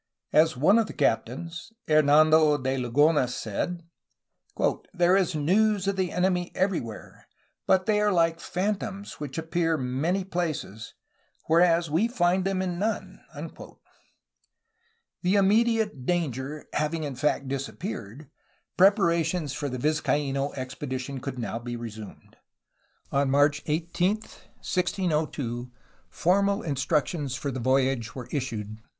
As one of the captains (Hernando de Lugones) said: ^' There is news of the enemy everywhere, but they are like phantoms which appear in many places, whereas we find them in The immediate danger having in fact disappeared, prepara tions for the Vizcaino expedition could now be resumed. On March 18, 1602, formal instructions for the voyage were issued.